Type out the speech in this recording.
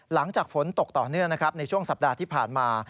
หลังจากฝนตกต่อเนื่องนะครับในช่วงสัปดาห์ที่ผ่านมา